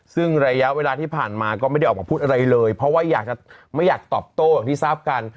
ซึ่งระยะเวลาที่ผ่านมาก็ไม่ได้ออกมาพูดอะไรเลยเพราะว่าอยากจะไม่อยากตอบโต้อย่างที่ทราบกัน